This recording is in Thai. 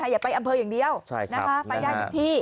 อย่าไปอำเภออย่างเดียวไปได้ทุกที่